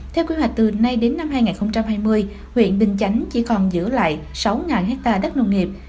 theo quy hoạch từ nay đến năm hai nghìn hai mươi huyện bình chánh chỉ còn giữ lại sáu ha đất nông nghiệp